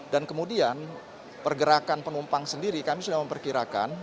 dan kemudian pergerakan penumpang sendiri kami sudah memperkirakan